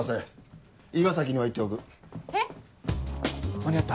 間に合った？